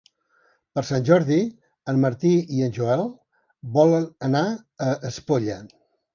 Per Sant Jordi en Martí i en Joel volen anar a Espolla.